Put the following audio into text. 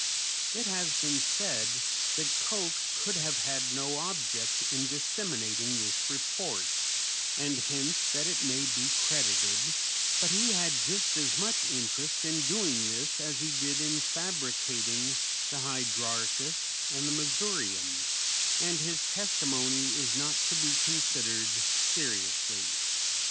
It has been said that Koch could have had no object in disseminating this report, and hence that it may be credited, but he had just as much interest in doing this as he did in fabricating the Hydrarchus and the Missourium, and his testimony is not to be considered seriously.